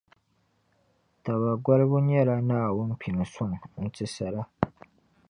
Taba golibu nyɛla Naawuni pini suŋ n-ti sala.